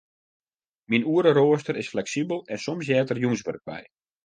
Myn oereroaster is fleksibel en soms heart der jûnswurk by.